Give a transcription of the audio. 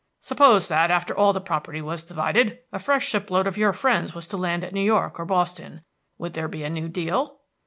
Suppose that, after all the property was divided, a fresh shipload of your friends was to land at New York or Boston; would there be a new deal?"